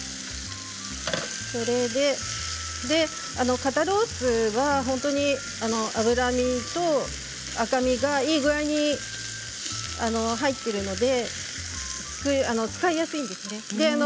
肩ロースは脂身と赤身がいい具合に入っているので使いやすいんですね。